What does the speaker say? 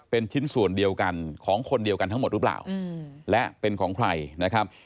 เป็นชิ้นส่วนเดียวกันของคนเดียวกันทั้งหมดหรือเปล่าและเป็นของใครนะครับ